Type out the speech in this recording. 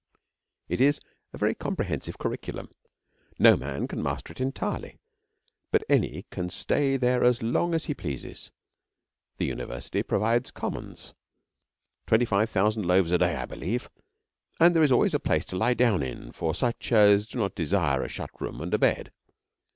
It is a very comprehensive curriculum. No man can master it entirely, but any can stay there as long as he pleases. The university provides commons twenty five thousand loaves a day, I believe, and there is always a place to lie down in for such as do not desire a shut room and a bed.